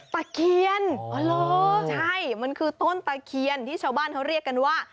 ตะเคียนอ๋อเหรอใช่มันคือต้นตะเคียนที่ชาวบ้านเขาเรียกกันว่า